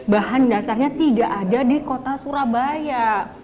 bahan dasarnya tidak ada di kota surabaya